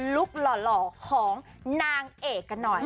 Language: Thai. ุคหล่อของนางเอกกันหน่อย